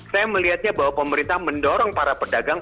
saya melihatnya bahwa pemerintah mendorong para pedagang